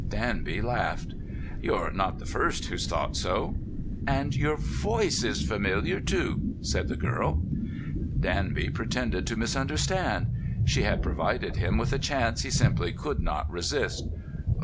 Danby laughed. "You're not the first who's thought so." "And your voice is familiar, too," said the girl. Danby pretended to misunderstand. She had provided him with a chance he simply could not resist.